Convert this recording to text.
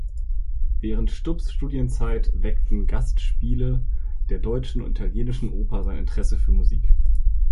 Während Stubs Studienzeit weckten Gastspiele der deutschen und italienischen Oper sein Interesse für Musik.